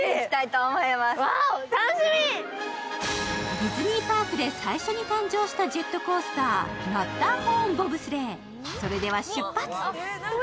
ディズニーパークで最初に誕生したジェットコースター、マッターホーン・ボブスレー。